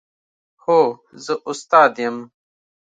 هو، زه استاد یم